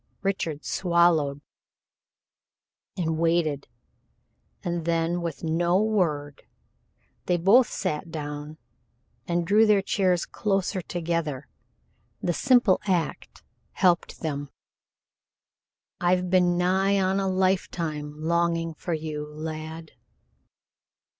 Richard swallowed, and waited, and then with no word they both sat down and drew their chairs closer together. The simple act helped them. "I've been nigh on to a lifetime longing for you, lad."